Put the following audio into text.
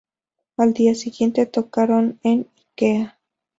Al día siguiente tocaron en Ikea.